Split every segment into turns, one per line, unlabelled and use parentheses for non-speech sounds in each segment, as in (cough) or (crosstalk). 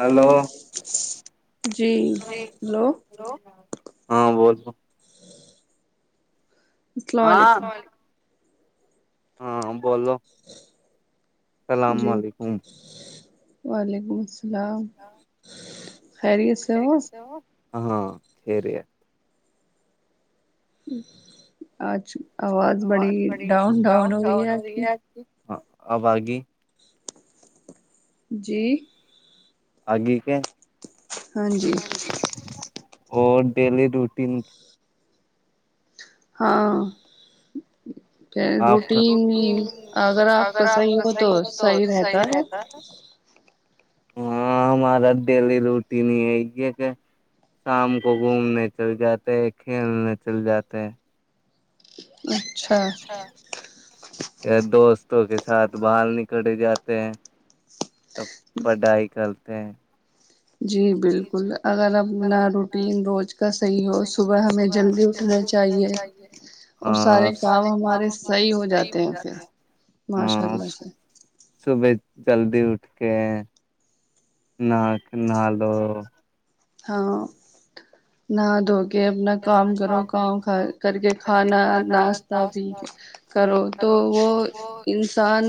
hello ہاں بول ہاں ہاں بولو اللام علیکم
وعلیکم السلام ہلاؤ خریس ہو
ہاں شری ہے
اچ آج آواز بڑی ڈاؤن ڈاؤن ہو رہی ہے آج کی
ہاں آ
جی
آگی کہ ہاں جی اور ڈیلی روٹین
ہاں روٹین اگر آپ کا صحیح ہو تو صحیح رہتا ن
ہاں ہمارا ڈیلی روٹین ہی ہے یہ کہ شام کو گھومنے چل جاتے ہے کھیلنے چل جاتے ہیں
اچچھا
دوستوں کے ساتھ بر نکلے جاتے ہیں اب پڑھائی کرتے ہیں
جی بالکل اگر اپنا روٹین روز کا صحیح ہو صبح ہمیں جلدی اٹھنا چاہیے اور سارے کام ہمارے صحیح ہو جاتے ہیں پھر ماشاء اللہ سے
صبح جلدی اٹھ کے ن کہ نہالو
ہاں ن دگ کہ اپنا کام کرو کام کھا کر کے کھانا ناشتہ پی کے کرو تو وہ انسان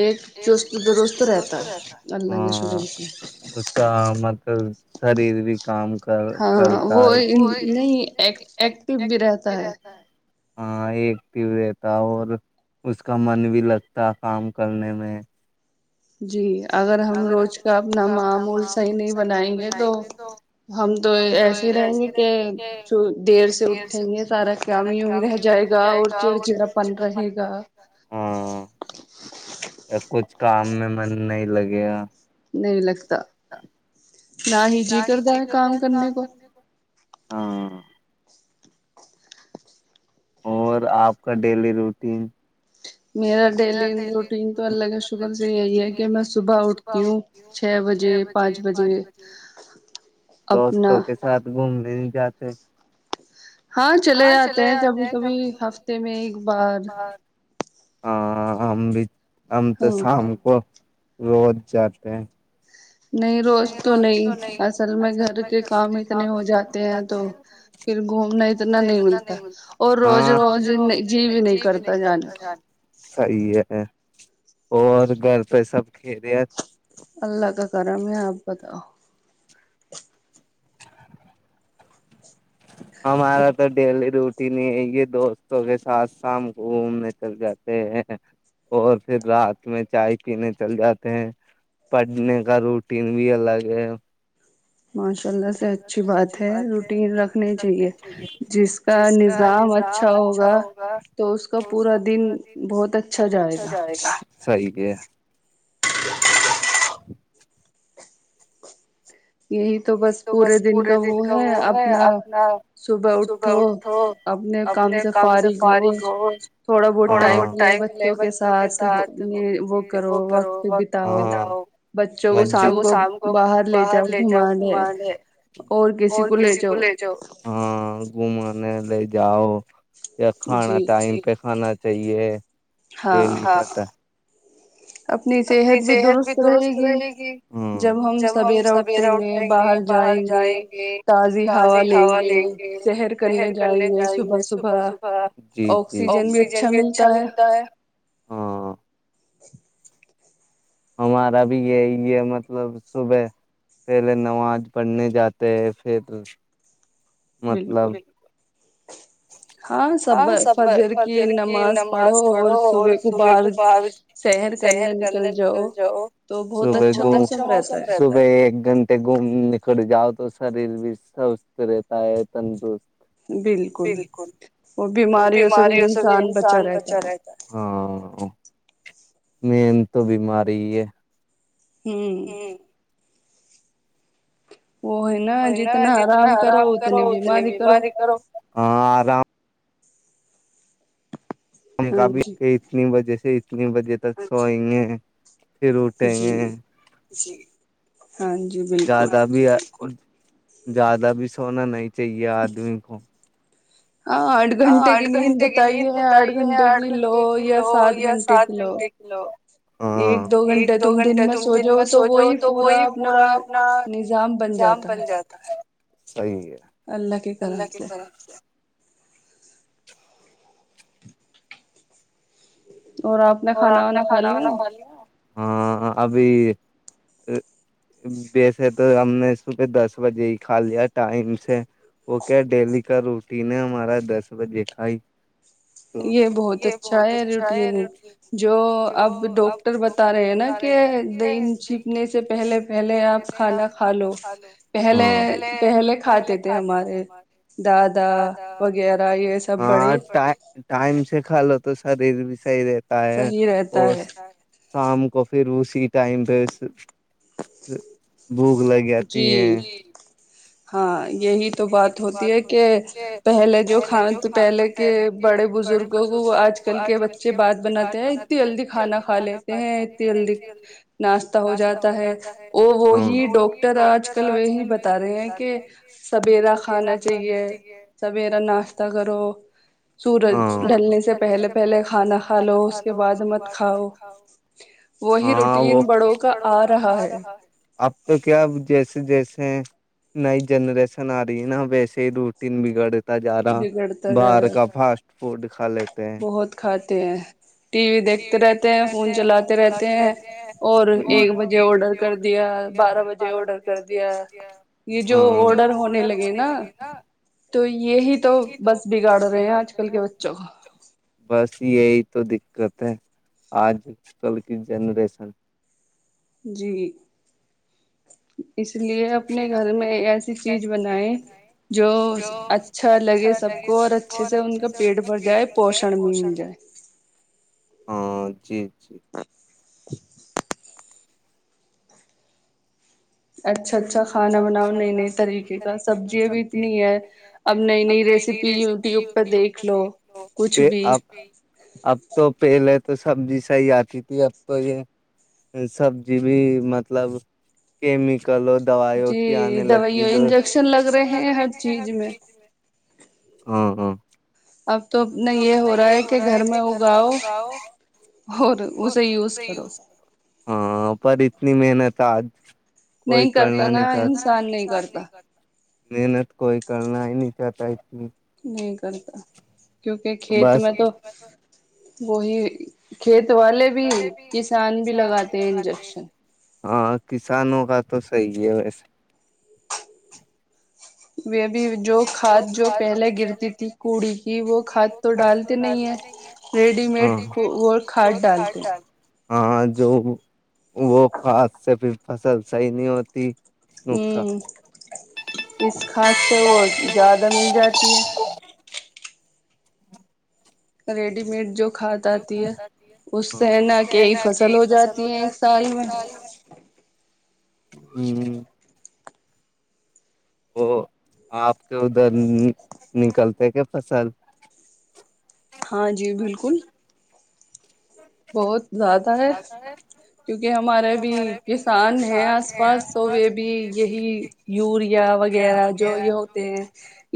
ایک چست درست رہتا ہے اللہ کے شکر سے
شریر بھی کام کر کرتا ہے
نہیں ایک ایکٹو بھی رہتا ہے
ہاں ایکٹیو رہتا اور اس کا من بھی لگتا کام کرنے میں
جی اگر ہم روز کا اپنا معمول صحیح نہیں بنائیں گے تو ہم تو ایسے ہی رہیں گے کہ دیر سے اٹھیں گے سارا کامی یمی رہ جائے گا اور چڑچڑاپن رہے گا
کام میں م نے نہیں لگے
نہیں لگ تا نہ ہی جی کردا ہے کام کرنے کو
ہاں اور آپ کا ڈیلی روٹین
میرا ڈیلی روٹین تو اللہ کا شکر سے یہی ہے کہ میں صبح اٹھتی ہوں چھ بجے پانچ بجے اپنا
جاتے
ہاں چلے آتے ہیں کبھی کبھی ہفتے میں ایک بار
ہاں امب ہم تو شام کو روز جاتے ہیں
نہیں روز تو نہیں اصل میں گھر کے کام اتنے ہو جاتے ہیں تو پھر گھومنا اتنا نہیں ملتا اور روز روز جی بھی نہیں کرتا جانے
صی ہے اور گھر پہ سب کھی رہے ہیں
اللہ کرا میں آپ بتاؤ (inaudible)
ہاں مارا تھا ڈیلی رو یہ دوستوں کے ساتھ سام گھومنے چل جاتے ہیں اور پھر رات میں چائے پینے چل جاتے ہیں پڑھنے کا روٹین بھی الگ ہے
ماشاء اللہ سے اچھی بات ہے روٹین رکھنی چاہیے جس کا نظام اچھا ہوگا تو اس کا پورا دن بہت اچھا جائے گا
صحی کہ ہے
(inaudible) یہی تو بس پورے دن کا وہ ہے اپنا صبح اٹھو اپنے کام سے فارغ ہو تھوڑا بہت ٹائم لے بچوں کے ساتھ وہ کرو وقت بتاؤ بچوں کو شام کو باہر لے
باہر لے جؤ گوما دے اور کسی کو لے جاؤ ہ گ لے جاؤ یا کھانا ٹائم پہ کھانا صحیح ہے ڈیل نہیں پتا
اپنی صحت بھی درست رہے گی جب ہم سویرا اٹھیں گے باہر جائیں گے تازی ہوا لیں گے سحر کرنے جائیں گے صبح صبح آکسیجن بھی اچھا ملتا ہے (inaudible)
ہمارا بھی یہی ہے مطلب صبح پہلے نماز پڑھنے جاتے ہے پھر مطلب ہاں سب فجر کی نماز پڑھو اور صبح کو بر سیر کرنے نکل جاؤ ص کو اچا موسم صبح ایک گھنٹے گھوم نکل جاؤ تو شریر بھی سوستھ رہتا ت تنندوز بالکل اور بیماریوں سے بھی انسان بچا رہتا ہے مم تو بیماری ہے
ہوں
نا جتنا آرام کرو اتنی بیماری کرو ہم کاابل کے اتنی وجہ سے نن بجے تکسو ہگ پھر اٹیں جی زیادہ بھی ہے زیادہ بھی سونا نہیں تھا چاہیا آدمی کو ہاں آٹھ گھنٹے کی نیند بتائیے آٹھ گھنٹے کی لو یا سات گھنٹے کی لو ایک دو گھنٹے تم دن میں سو جو تو وہی پورا اپنا نظام بن جاتا ہے صحیح ہے اللہ کی طرف سے اور آپ نے کھانا وانا کھا لیا ہاں ابھی وسے تو ہم نے صبح دس بجے ہی کھا لیا ٹائم سے وہ کیا ڈیلی کا روٹین ہے ہمارا دس بجے کھائی
یہ بہت اچھا ہے روٹین جو اب ڈاکٹر بتا رہے ہیں نا کہ دین چپنے سے پہلے پہلے آپ کھانا کھا لو پہلے پہلے کھاتے تھے ہمارے دادا وغیرہ یہ سب بڑے
ٹائم شھالو تو سرشائیے ہے اور شام کو پھر اس تٹم پس (inaudible) بھوک لگ جاتی ہے
ہاں (inaudible) یہی تو بات ہوتی ہے کہ پہلے جو کھان پہلے کے بڑے بزرگوں کو آج کل کے بچے بات بناتے ہیں اتنی جلدی کھانا کھا لیتے ہیں اتنی جلدی ناشتہ ہو جاتا ہے وہ وہ ہی ڈ ٹر آج کل وہی بتا رہے ہیں کہ سب سویرا کھانا چاہیے سویرا ناشتہ کرو سورج ڈھلنے سے پہلے پہلے کھانا کھا لو اس کے بعد مت کھاؤ وہی روٹین بڑوں کا آ رہا ہے
جیسے نئی جنریشن نار ن بی صوٹن بگڑ جا رہا باہر کا فاسٹ فوڈ خالے
بہت خچ (unintelligible) تو (inaudible) ٹی وی دیکھتے رہتے ہیں فون چلاتے رہتے ہیں اور ایک بجے آڈر کر دیا بارہ بجے آڈر کر دیا یہ جو آڈر ہونے لگے نا تو یہی تو بس بگاڑ رہے ہیں آج کل کے بچوں کو
یہ تو د (inaudible) کرتے ہیں آج کل کی جنریشن
جی اس لیے اپنے گھر میں ایسی چیز بنائے جو اچھا لگے سب کو اور اچھے سے ان کا پیٹ بھر جائے پوشن بھی مل جائے
اچھا اچھا کھانا بناؤ نئی نئی طریقے کا سبزیاں بھی اتنی ہے اب نئی نئی ریسیپی وٹیوب پہ دیکھ لو ا اب تو پہلے تو سبزی صحیح آتی تھی اب تو یہ سبزی بھی مطلب کیمیکل دوائیوں کی آنے لگی جو انجیکشن لگ رہے ہیں ہر چیز میں ہاں ہاں اب تو اپنا یہ ہو رہا ہے کہ گھر میں اگاؤ اسے یوز کرو ہاں پر اتنی محنت آ کوئی کرنا نہیں چاہتا محنت کوئی کرنا ہی نہیں کیات آ ت (inaudible)
نہیں کرتا کیونکہ کھیت میں تو وہی کھیت والے بھی کسان بھی لگاتے ہیں انجیکشن
ہاں کسانوں کا تو صحی ہے ویسے
ہ
جو ک جو پہلے گتیی ت وہ کاد تو ڈالتے نہیں ہے کادال ہاں جو وہ کھاد سے پ فصل صحیح نہیں ہوتی
ہوں اس خاص سے وہ زیادہ مل جاتی ہے ریڈی میڈ جو کھاد آتی ہے اس سے ہے نا کئی فصل ہو جاتی ہے ایک سال میں
ہوں وہ آپ ادھر نکلتا ت کیا فصل
ہاں جی بالکل بہت زیادہ ہے کیونکہ ہمارے بھی کسان ہیں آس پاس تو وہ بھی یہی یوریا وغیرہ جو یہ ہوتے ہیں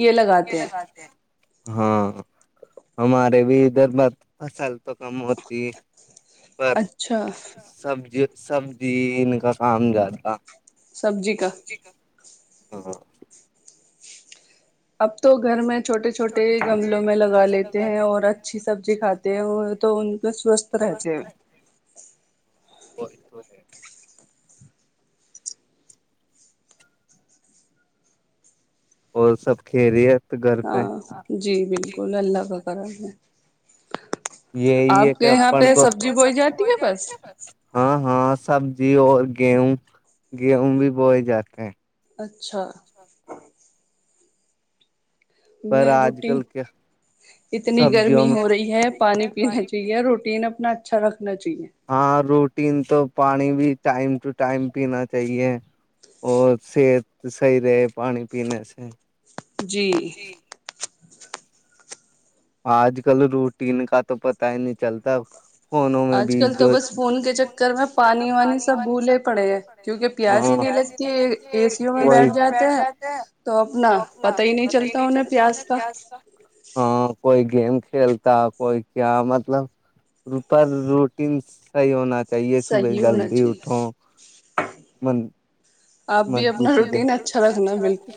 یہ لگاتے ہیں
ہاں ہمارے بھی ادھر ب سال تو کم ہو ت پر سبج سبزی ان کا کام جیادا
سبزی کا
ہاں ہاں
اب تو گھر میں چھوٹے چھوٹے گملوں میں لگا لیتے ہیں اور اچھی سبزی کھاتے ہیں تو ان کو سوستھ رہتے ہیں
ات اور سب کھی رہی ہے
ہاں جی بالکل اللہ کا پا ہے
یہی ہے کہ اپن کو سب ب جاتی ہے ہاں ہاں سب جی اور گیہوں گیہوں بھی بوئے جاتے ہیں
اچھا ہم نے روٹی اتنی گرمی ہو رہی ہے پانی پینا چاہیے روٹین اپنا اچھا رکھنا چاہیے
ین تو پانی بھی ٹائم ٹو ٹائم پینا چاہیے اور صحت صحیح رہے پانی پینے سے
جی
آج کل روٹین کا تو پتا ہی نہیں چلتا فونوں میں بھی چل تو بس فون کے چکر میں پانی وانی سب بھولے پڑے ہیں پیاز ہی نہیںتی میں بیٹھ جاتے ہیں تو اپنا پتا ہی نہیں چلتا انیں پیاز کا گیم کھیلتا کوئی کیا مطلب اوپر روٹین صحیح ہونا چیے صبح جلدی اٹھو من
آپ بھی اپنا روٹین اچھا رکھنا بالکل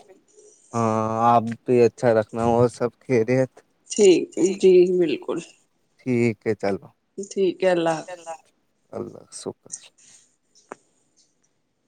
ہاں آپ بھی اچھا رکھنا وہ سب کھی رہے
ٹھیک ہے جی بالکل
کہ چلوا
ٹھیک ہے اللہ حافظ
اللہ کا شکر